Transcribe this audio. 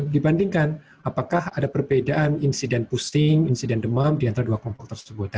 dibandingkan apakah ada perbedaan insiden pusing insiden demam di antara dua kelompok tersebut